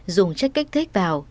dùng chất kích thích vào